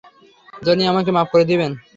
Johnny, আমাকে মাফ করে দিবেন।